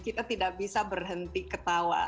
kita tidak bisa berhenti ketawa